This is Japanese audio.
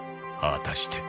果たして